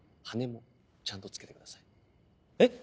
羽根もちゃんと付けてくださいよ。